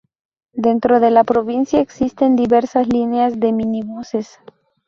Dentro de la provincia existen diversas líneas de minibuses.